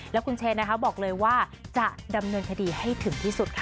แล้วคุณเชนนะคะบอกเลยว่าจะดำเนินคดีให้ถึงที่สุดค่ะ